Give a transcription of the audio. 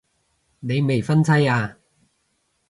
你未婚妻啊